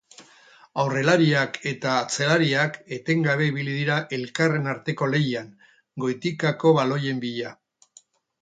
Aurrelariak eta atzelariak etengabe ibili dira elkarren arteko lehian, goitikako baloien bila.